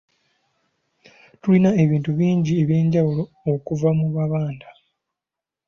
Tulina ebintu bingi eby'enjawulo okuva mu mabanda.